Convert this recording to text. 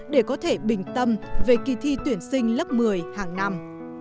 để có thể bình tâm về kỳ thi tuyển sinh lớp một mươi hàng năm